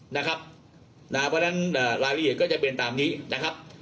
เพราะฉะนั้นรายละเอียดก็จะเป็นตามนี้นะครับ